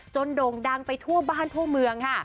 โด่งดังไปทั่วบ้านทั่วเมืองค่ะ